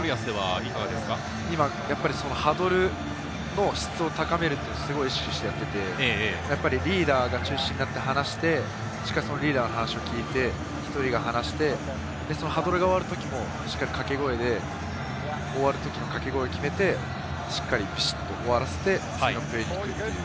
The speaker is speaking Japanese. ハドルの質を高めるというのを意識してやっていて、リーダーが中心になって話して、しっかり、そのリーダーの話を聞いて、１人が話して、そのハドルが終わるときもしっかり掛け声で終わるときの掛け声を決めて、しっかりビシッと終わらせて、次のプレーに行くという。